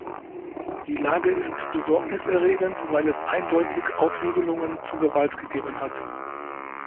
Die Lage ist Besorgnis erregend, weil es eindeutig Aufwiegelungen zur Gewalt gegeben hat.